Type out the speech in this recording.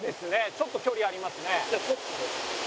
ちょっと距離ありますね。